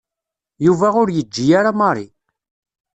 Yuba ur yeǧǧi ara Mary.